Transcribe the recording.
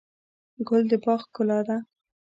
ګل د باغ ښکلا ده.